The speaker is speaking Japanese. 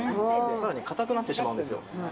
さらに、かたくなってしまうんですよ。